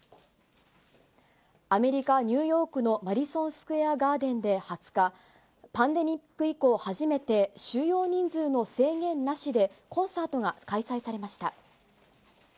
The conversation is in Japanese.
アメリカ・ニューヨークのマディソン・スクエア・ガーデンで２０日、パンデミック以降初めて収容人数の制限なしで、コンサートが開催されました。